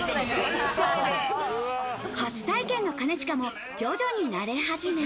初体験の兼近も徐々に慣れ始め。